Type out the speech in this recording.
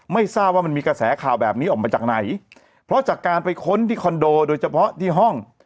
ไม่ทราบว่ามันมีกระแสข่าวแบบนี้ออกมาจากไหนเพราะจากการไปค้นที่คอนโดโดยเฉพาะที่ห้อง